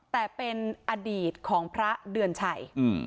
แต่เป็นอดีตของพระเดือนชัย